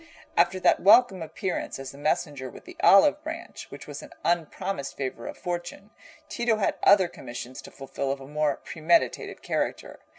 After that welcome appearance as the messenger with the olive branch, which was an unpromised favour of fortune, Tito had other commissions to fulfil of a more premeditated character.